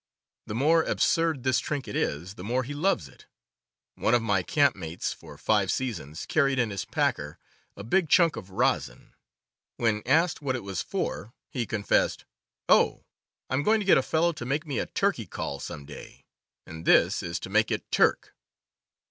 The more absurd this trinket is, the more he loves it. One of my camp mates for five seasons carried in his "packer" a big chunk of rosin. When asked what it was for, he 8 CAMPING AND WOODCRAFT confessed: "Oh, I'm going to get a fellow to make me a turkey call, some day, and this is to make it 'turk.